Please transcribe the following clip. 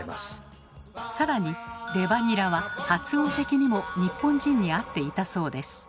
更に「レバニラ」は発音的にも日本人に合っていたそうです。